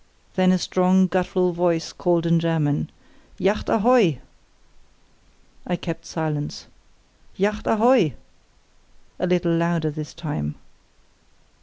Then a strong, guttural voice called in German, "Yacht ahoy!" I kept silence. "Yacht ahoy!" a little louder this time.